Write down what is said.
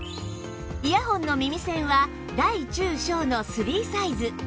イヤホンの耳栓は大中小の３サイズ